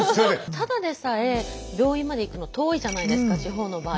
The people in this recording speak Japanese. ただでさえ病院まで行くの遠いじゃないですか地方の場合って。